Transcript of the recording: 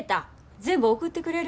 全部送ってくれる？